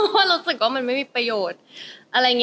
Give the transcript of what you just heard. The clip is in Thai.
เพราะรู้สึกว่ามันไม่มีประโยชน์